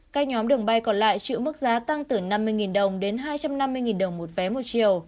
các nhóm đường bay còn lại chịu mức giá tăng từ năm mươi đồng đến hai trăm năm mươi đồng một vé một chiều